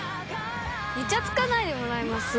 イチャつかないでもらえます？